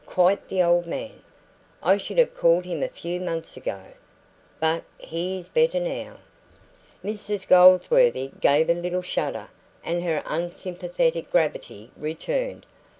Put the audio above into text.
Quite the old man, I should have called him a few months ago. But he is better now." Mrs Goldsworthy gave a little shudder, and her unsympathetic gravity returned.